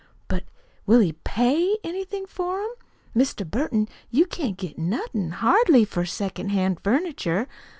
"But will he PAY anything for 'em? Mr. Burton, you can't get nothin', hardly, for second hand furniture.